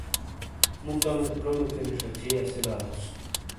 مُو کمیک کرومے کینی ݜچی اسیلا لوس۔